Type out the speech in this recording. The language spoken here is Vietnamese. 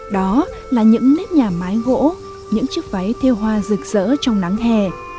đó là những nếp nhà mái gỗ những chiếc váy theo hoa rực rỡ trong nắng hè